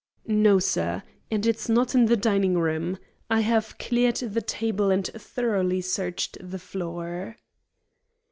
"No, sir; and it's not in the dining room. I have cleared the table and thoroughly searched the floor."